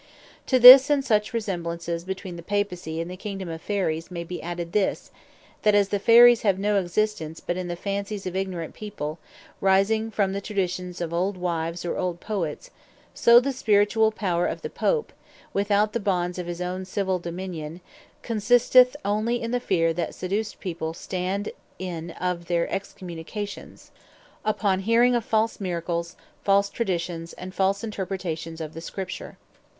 To this, and such like resemblances between the Papacy, and the Kingdome of Fairies, may be added this, that as the Fairies have no existence, but in the Fancies of ignorant people, rising from the Traditions of old Wives, or old Poets: so the Spirituall Power of the Pope (without the bounds of his own Civill Dominion) consisteth onely in the Fear that Seduced people stand in, of their Excommunication; upon hearing of false Miracles, false Traditions, and false Interpretations of the Scripture.